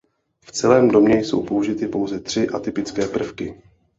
V celém domě jsou použity pouze tři atypické prvky.